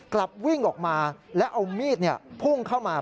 กลับวิ่งออกมาแล้วเอามีดพุ่งเข้ามา